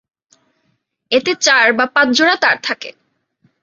এতে চার বা পাঁচ জোড়া তার থাকে।